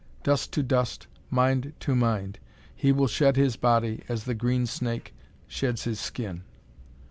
Dust to dust Mind to Mind He will shed his body As the green snake sheds his skin.